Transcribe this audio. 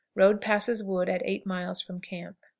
Road passes wood at eight miles from camp.